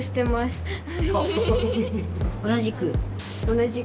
同じく。